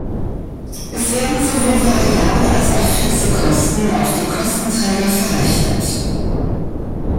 Es werden sowohl variable als auch fixe Kosten auf die Kostenträger verrechnet.